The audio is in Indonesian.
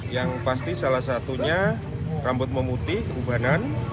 yang pasti salah satunya rambut memutih kekubanan